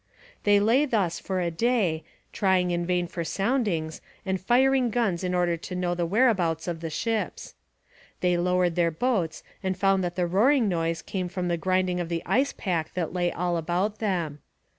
They lay thus for a day, trying in vain for soundings and firing guns in order to know the whereabouts of the ships. They lowered their boats and found that the roaring noise came from the grinding of the ice pack that lay all about them.